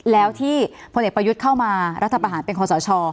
แล้วที่พลเอกประยุทธ์เข้ามารัฐประหารเป็นคอสช